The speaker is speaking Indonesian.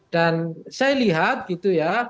saya lihat gitu ya